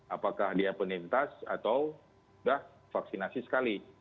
apakah dia penintas atau sudah vaksinasi sekali